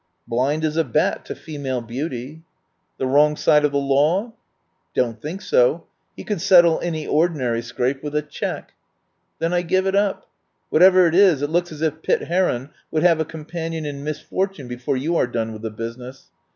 "Blind as a bat to female beauty." 22 THE WILD GOOSE CHASE "The wrong side of the law?" "Don't think so. He could settle any ordi nary scrape with a cheque." "Then I give it up. Whatever it is it looks as if Pitt Heron would have a companion in misfortune before you are done with the business.